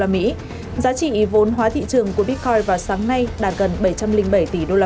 giá trị vốn hóa thị trường của bitcoin vào sáng nay đạt gần bảy trăm linh bảy tỷ usd